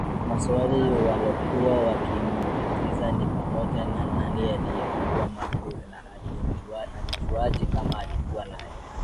Maswali yalokua yakimtatiza ni pamoja na nani aliyemuua Magreth na alijuaje kama alikuwa naye